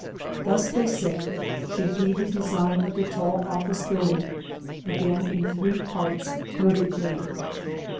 Thus, they say, should be tiie design of the tall office building: again in three parts vertically.